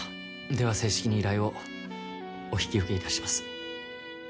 では正式に依頼をお引き受けいたします。